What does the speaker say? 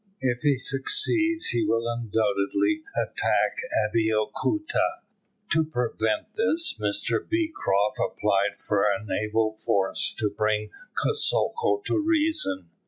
If he succeeds he will undoubtedly attack Abeokuta. To prevent this, Mr Beecroft applied for a naval force to bring Kosoko to reason.